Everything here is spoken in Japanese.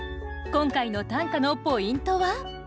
今回の短歌のポイントは？